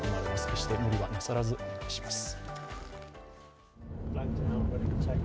決して無理はなさらずお願いいたします。